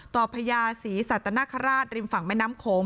พญาศรีสัตนคราชริมฝั่งแม่น้ำโขง